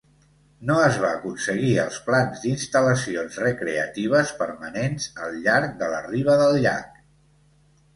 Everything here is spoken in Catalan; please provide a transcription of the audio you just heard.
No es van aconseguir els plans d'instal·lacions recreatives permanents al llarg de la riba del llac.